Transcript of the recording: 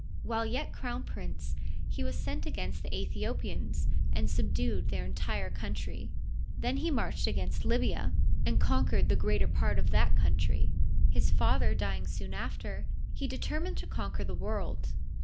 While yet crown prince he was sent against the Aethiopians, and subdued their en tire country ; then he marched against Libya, and con iOgle 88 HISTORY OF EGYPT, quered the greater part of that country. His father dying soon after, he determined to conquer the world.